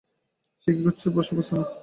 সে কী করবে বুঝতে পারছে না।